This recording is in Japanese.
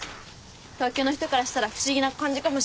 東京の人からしたら不思議な感じかもしれないけど。